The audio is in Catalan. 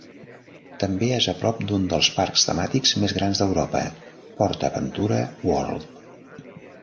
També és a prop d'un dels parcs temàtics més grans d'Europa, PortAventura World.